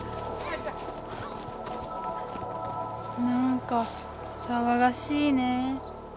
なんかさわがしいね。